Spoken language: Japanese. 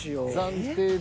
暫定で。